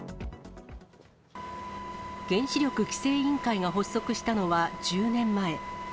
原子力規制委員会が発足したのは１０年前。